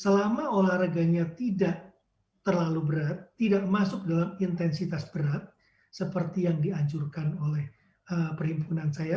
selama olahraganya tidak terlalu berat tidak masuk dalam intensitas berat seperti yang dihancurkan oleh perhimpunan saya